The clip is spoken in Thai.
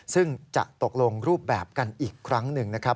ซึ่งจะตกลงรูปแบบกันอีกครั้งหนึ่งนะครับ